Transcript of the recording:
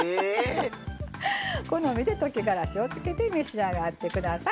好みで溶きがらしをつけて召し上がってください。